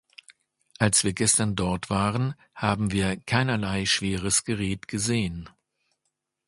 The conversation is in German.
Als wir gestern dort waren, haben wir keinerlei schweres Gerät gesehen.